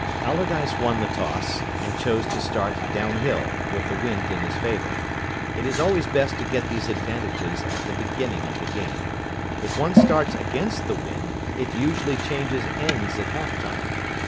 Allardyce won the toss, and chose to start downhill, with the wind in his favour. It is always best to get these advantages at the beginning of the game. If one starts against the wind, it usually changes ends at half time.